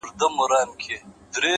o د پيغورونو په مالت کي بې ريا ياري ده؛